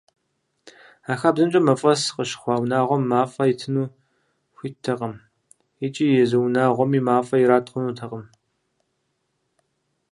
А хабзэмкӏэ, мафӏэс къыщыхъуа унагъуэм мафӏэ итыну хуиттэкъым, икӏи езы унагъуэми мафӏэ ират хъунутэкъым.